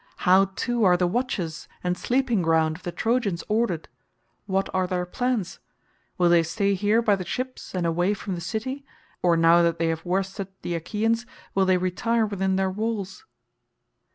How, too, are the watches and sleeping ground of the Trojans ordered? What are their plans? Will they stay here by the ships and away from the city, or now that they have worsted the Achaeans, will they retire within their walls?"